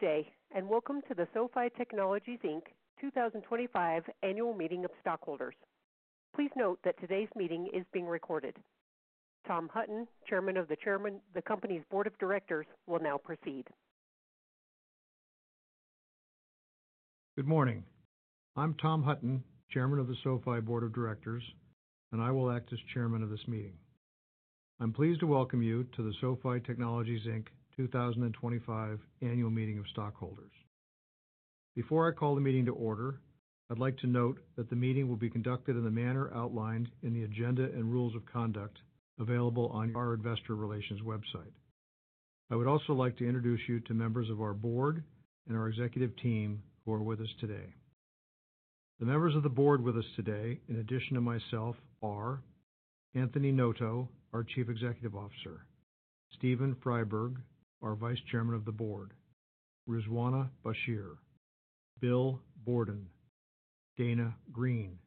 Good day, and welcome to the SoFi Technologies 2025 Annual Meeting of Stockholders. Please note that today's meeting is being recorded. Tom Hutton, Chairman of the Company's Board of Directors, will now proceed. Good morning. I'm Tom Hutton, Chairman of the SoFi Board of Directors, and I will act as Chairman of this meeting. I'm pleased to welcome you to the SoFi Technologies 2025 Annual Meeting of Stockholders. Before I call the meeting to order, I'd like to note that the meeting will be conducted in the manner outlined in the agenda and rules of conduct available on our investor relations website. I would also like to introduce you to members of our board and our executive team who are with us today. The members of the board with us today, in addition to myself, are: Anthony Noto, our Chief Executive Officer; Steven Freiberg, our Vice Chairman of the Board; Ruzwana Bashir; Bill Borden; Dana Green;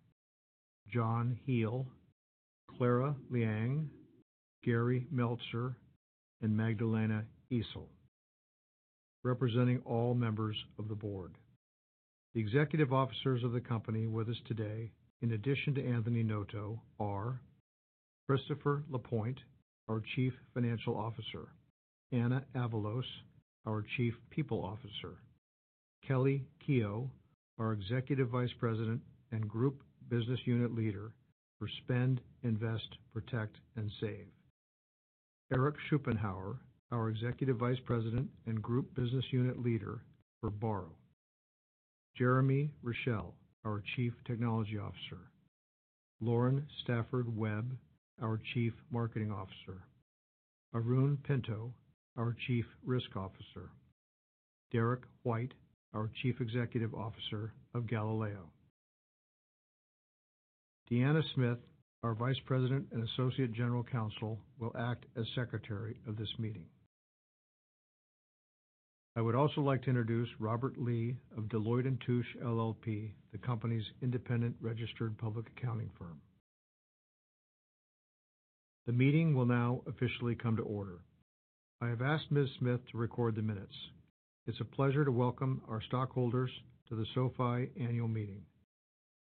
John Hele; Clara Liang; Gary Meltzer; and Magdalena Yesil. Representing all members of the board, the executive officers of the company with us today, in addition to Anthony Noto, are: Chris Lapointe, our Chief Financial Officer; Anna Avalos, our Chief People Officer; Kelli Keough, our Executive Vice President and Group Business Unit Leader for Spend, Invest, Protect, and Save; Eric Schuppenhauer, our Executive Vice President and Group Business Unit Leader for Borrow; Jeremy Rishel, our Chief Technology Officer; Lauren Stafford Webb, our Chief Marketing Officer; Arun Pinto, our Chief Risk Officer; Derek White, our Chief Executive Officer of Galileo. Deanna Smith, our Vice President and Associate General Counsel, will act as Secretary of this meeting. I would also like to introduce Robert Lee of Deloitte & Touche LLP, the company's independent registered public accounting firm. The meeting will now officially come to order. I have asked Ms. Smith to record the minutes. It's a pleasure to welcome our stockholders to the SoFi Annual Meeting.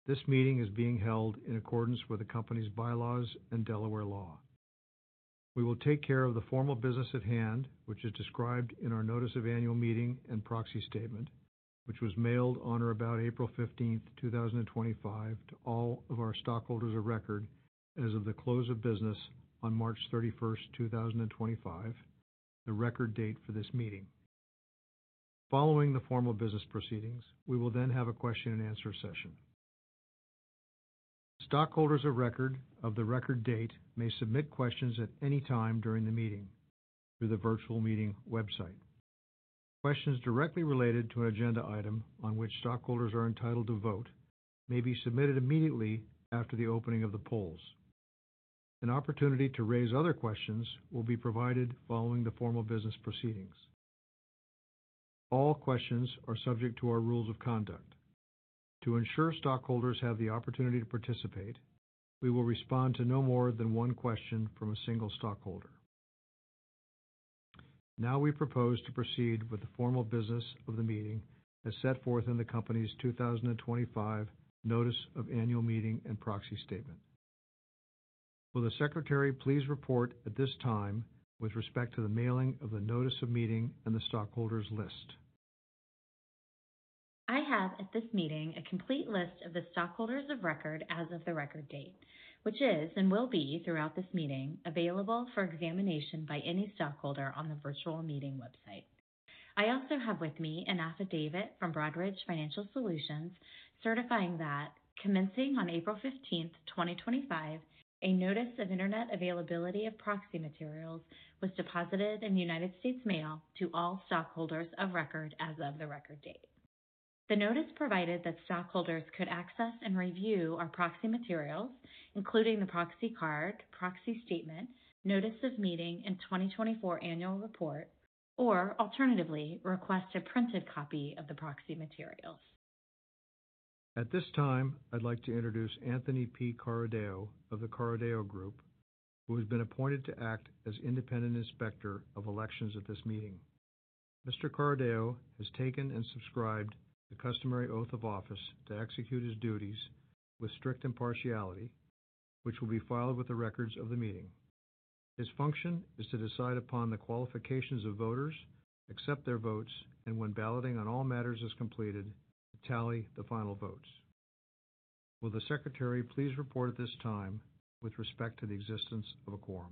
This meeting is being held in accordance with the company's bylaws and Delaware law. We will take care of the formal business at hand, which is described in our Notice of Annual Meeting and Proxy Statement, which was mailed on or about April 15, 2025, to all of our stockholders of record as of the close of business on March 31, 2025, the record date for this meeting. Following the formal business proceedings, we will then have a question and answer session. Stockholders of record of the record date may submit questions at any time during the meeting through the virtual meeting website. Questions directly related to an agenda item on which stockholders are entitled to vote may be submitted immediately after the opening of the polls. An opportunity to raise other questions will be provided following the formal business proceedings. All questions are subject to our rules of conduct. To ensure stockholders have the opportunity to participate, we will respond to no more than one question from a single stockholder. Now we propose to proceed with the formal business of the meeting as set forth in the company's 2025 Notice of Annual Meeting and Proxy Statement. Will the Secretary please report at this time with respect to the mailing of the Notice of Meeting and the stockholders' list? I have at this meeting a complete list of the stockholders of record as of the record date, which is and will be throughout this meeting available for examination by any stockholder on the virtual meeting website. I also have with me an affidavit from Broadridge Financial Solutions certifying that, commencing on April 15, 2025, a notice of internet availability of proxy materials was deposited in United States Mail to all stockholders of record as of the record date. The notice provided that stockholders could access and review our proxy materials, including the proxy card, proxy statement, Notice of Meeting, and 2024 Annual Report, or alternatively request a printed copy of the proxy materials. At this time, I'd like to introduce Anthony P. Carideo of the Carideo Group, who has been appointed to act as Independent Inspector of Elections at this meeting. Mr. Carideo has taken and subscribed the customary oath of office to execute his duties with strict impartiality, which will be filed with the records of the meeting. His function is to decide upon the qualifications of voters, accept their votes, and when balloting on all matters is completed, to tally the final votes. Will the Secretary please report at this time with respect to the existence of a quorum?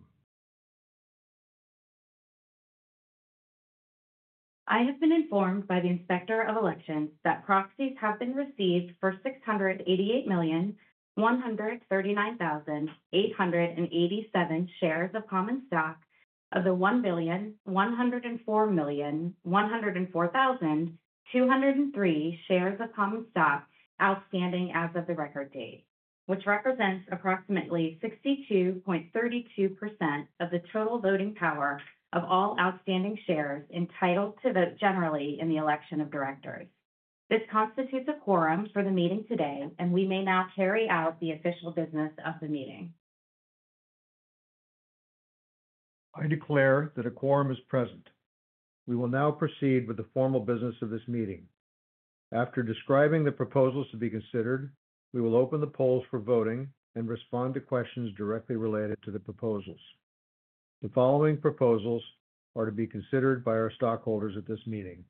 I have been informed by the Inspector of Elections that proxies have been received for 688,139,887 shares of common stock of the 1,104,104,203 shares of common stock outstanding as of the record date, which represents approximately 62.32% of the total voting power of all outstanding shares entitled to vote generally in the election of directors. This constitutes a quorum for the meeting today, and we may now carry out the official business of the meeting. I declare that a quorum is present. We will now proceed with the formal business of this meeting. After describing the proposals to be considered, we will open the polls for voting and respond to questions directly related to the proposals. The following proposals are to be considered by our stockholders at this meeting.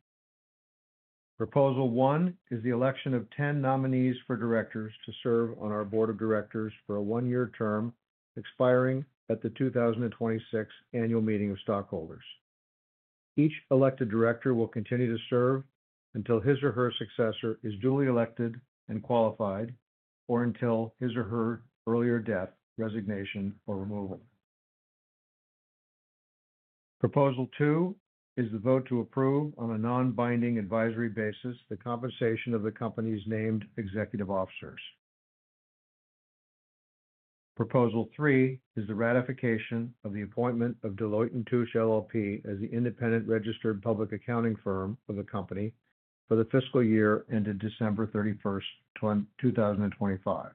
Proposal one is the election of 10 nominees for directors to serve on our Board of Directors for a one-year term expiring at the 2026 Annual Meeting of Stockholders. Each elected director will continue to serve until his or her successor is duly elected and qualified or until his or her earlier death, resignation, or removal. Proposal two is the vote to approve on a non-binding advisory basis the compensation of the company's named executive officers. Proposal three is the ratification of the appointment of Deloitte & Touche LLP as the independent registered public accounting firm of the company for the fiscal year ended December 31, 2025.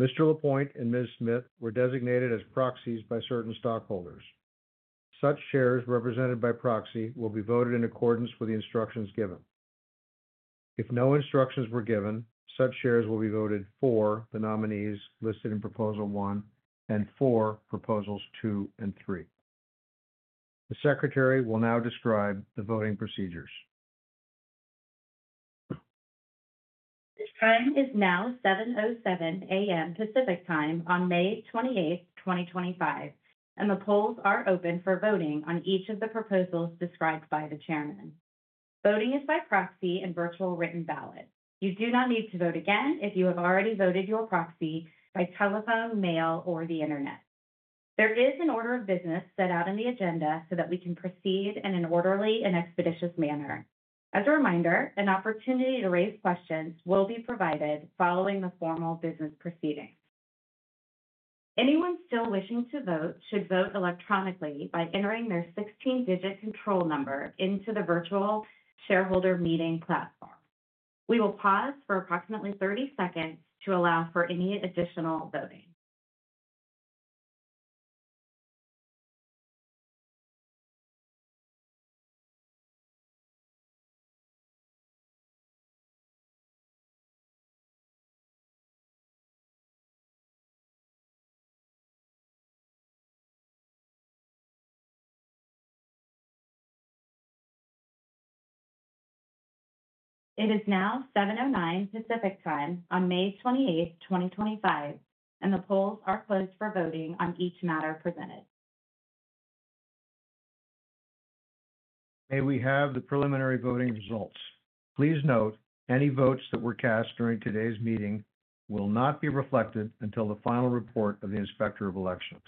Mr. Lapointe and Ms. Smith were designated as proxies by certain stockholders. Such shares represented by proxy will be voted in accordance with the instructions given. If no instructions were given, such shares will be voted for the nominees listed in Proposal One and for Proposals Two and Three. The Secretary will now describe the voting procedures. The time is now 7:07 A.M. Pacific Time on May 28th, 2025, and the polls are open for voting on each of the proposals described by the Chairman. Voting is by proxy and virtual written ballot. You do not need to vote again if you have already voted your proxy by telephone, mail, or the internet. There is an order of business set out in the agenda so that we can proceed in an orderly and expeditious manner. As a reminder, an opportunity to raise questions will be provided following the formal business proceedings. Anyone still wishing to vote should vote electronically by entering their 16-digit control number into the virtual shareholder meeting platform. We will pause for approximately 30 seconds to allow for any additional voting. It is now 7:09 A.M. Pacific Time on May 28th, 2025, and the polls are closed for voting on each matter presented. May we have the preliminary voting results? Please note any votes that were cast during today's meeting will not be reflected until the final report of the Inspector of Elections.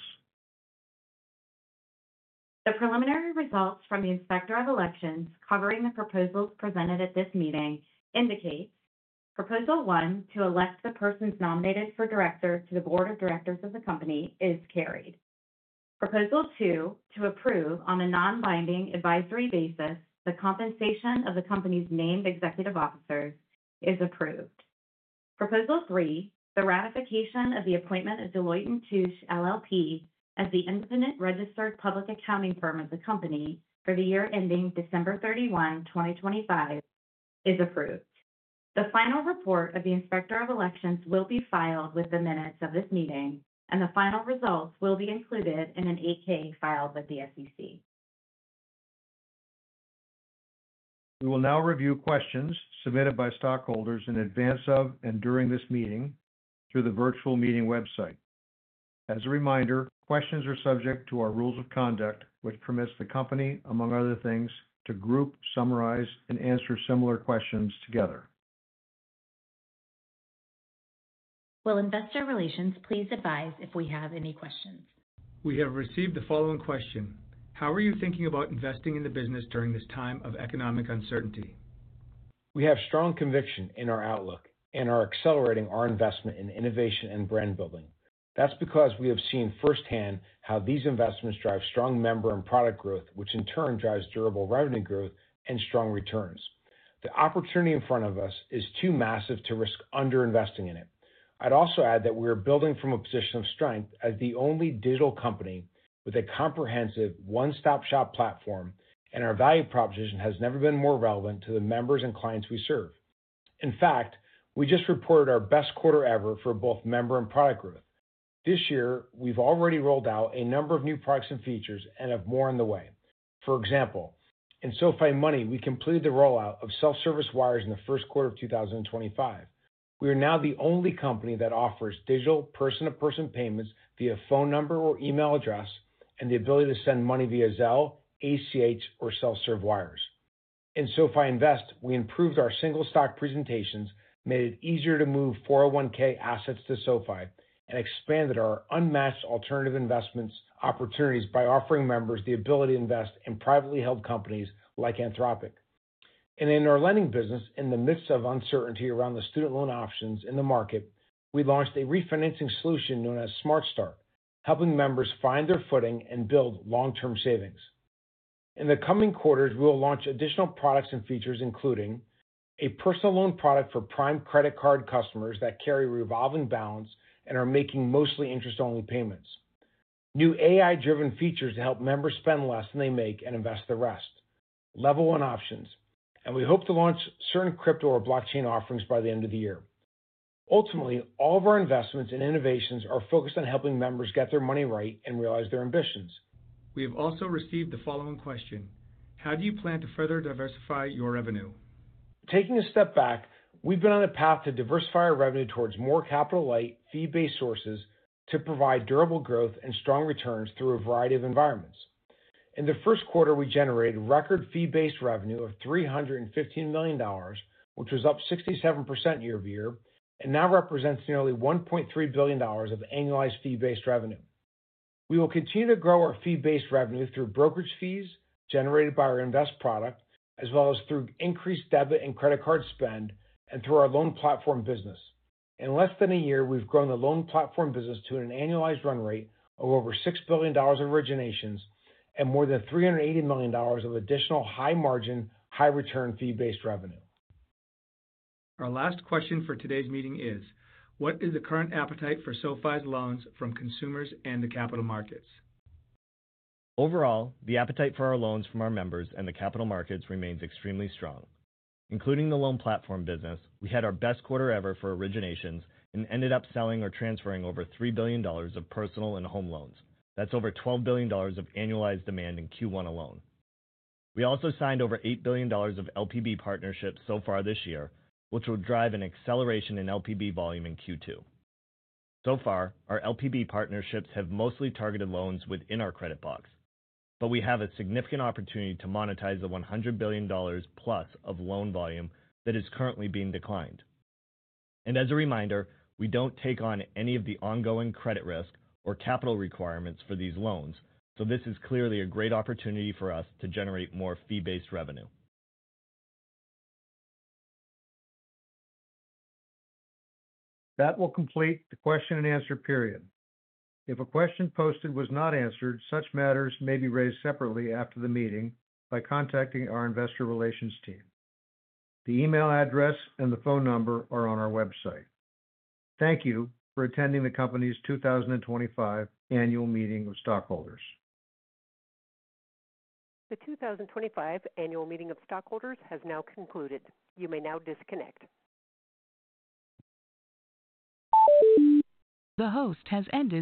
The preliminary results from the Inspector of Elections covering the proposals presented at this meeting indicate Proposal One to elect the persons nominated for director to the Board of Directors of the company is carried. Proposal Two to approve on a non-binding advisory basis the compensation of the company's named executive officers is approved. Proposal Three, the ratification of the appointment of Deloitte & Touche LLP as the independent registered public accounting firm of the company for the year ending December 31, 2025, is approved. The final report of the Inspector of Elections will be filed with the minutes of this meeting, and the final results will be included in an 8-K filed with the SEC. We will now review questions submitted by stockholders in advance of and during this meeting through the virtual meeting website. As a reminder, questions are subject to our rules of conduct, which permits the company, among other things, to group, summarize, and answer similar questions together. Will investor relations please advise if we have any questions? We have received the following question: How are you thinking about investing in the business during this time of economic uncertainty? We have strong conviction in our outlook and are accelerating our investment in innovation and brand building. That's because we have seen firsthand how these investments drive strong member and product growth, which in turn drives durable revenue growth and strong returns. The opportunity in front of us is too massive to risk underinvesting in it. I'd also add that we are building from a position of strength as the only digital company with a comprehensive one-stop-shop platform, and our value proposition has never been more relevant to the members and clients we serve. In fact, we just reported our best quarter ever for both member and product growth. This year, we've already rolled out a number of new products and features and have more on the way. For example, in SoFi Money, we completed the rollout of self-service wires in the first quarter of 2025. We are now the only company that offers digital person-to-person payments via phone number or email address and the ability to send money via Zelle, ACH, or self-serve wires. In SoFi Invest, we improved our single stock presentations, made it easier to move 401(k) assets to SoFi, and expanded our unmatched alternative investment opportunities by offering members the ability to invest in privately held companies like Anthropic. In our lending business, in the midst of uncertainty around the student loan options in the market, we launched a refinancing solution known as Smart Start, helping members find their footing and build long-term savings. In the coming quarters, we will launch additional products and features, including a personal loan product for Prime credit card customers that carry revolving balance and are making mostly interest-only payments, new AI-driven features to help members spend less than they make and invest the rest, level one options, and we hope to launch certain crypto or blockchain offerings by the end of the year. Ultimately, all of our investments and innovations are focused on helping members get their money right and realize their ambitions. We have also received the following question: How do you plan to further diversify your revenue? Taking a step back, we've been on a path to diversify our revenue towards more capital-light, fee-based sources to provide durable growth and strong returns through a variety of environments. In the first quarter, we generated record fee-based revenue of $315 million, which was up 67% year-over-year, and now represents nearly $1.3 billion of annualized fee-based revenue. We will continue to grow our fee-based revenue through brokerage fees generated by our invest product, as well as through increased debit and credit card spend, and through our loan platform business. In less than a year, we've grown the loan platform business to an annualized run rate of over $6 billion of originations and more than $380 million of additional high-margin, high-return fee-based revenue. Our last question for today's meeting is: What is the current appetite for SoFi's loans from consumers and the capital markets? Overall, the appetite for our loans from our members and the capital markets remains extremely strong. Including the Loan Platform Business, we had our best quarter ever for originations and ended up selling or transferring over $3 billion of personal and home loans. That is over $12 billion of annualized demand in Q1 alone. We also signed over $8 billion of LPB partnerships so far this year, which will drive an acceleration in LPB volume in Q2. So far, our LPB partnerships have mostly targeted loans within our credit box, but we have a significant opportunity to monetize the $100 billion plus of loan volume that is currently being declined. As a reminder, we do not take on any of the ongoing credit risk or capital requirements for these loans, so this is clearly a great opportunity for us to generate more fee-based revenue. That will complete the question-and-answer period. If a question posted was not answered, such matters may be raised separately after the meeting by contacting our investor relations team. The email address and the phone number are on our website. Thank you for attending the company's 2025 Annual Meeting of Stockholders. The 2025 Annual Meeting of Stockholders has now concluded. You may now disconnect. The host has ended.